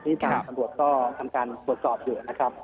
นี่สถานบุตรก็ทำการตรวจสอบอยู่นะครับ